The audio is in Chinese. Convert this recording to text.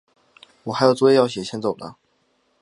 我还有作业要写，我就先走了。